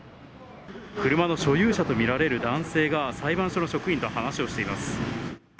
車の所有者と見られる男性が、裁判所の職員と話をしています。